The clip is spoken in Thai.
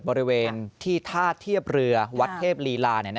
บริเวณที่ท่าเทียบเรือวัดเทพลีลา